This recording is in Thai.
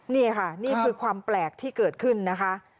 นี่ค่ะนี่คือความแปลกที่เกิดขึ้นนะคะ